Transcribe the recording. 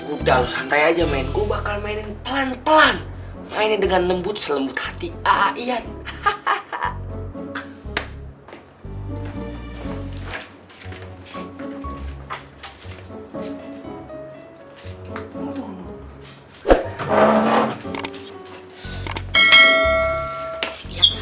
udah santai aja main gua bakal mainin pelan pelan main dengan lembut lembut hati aian hahaha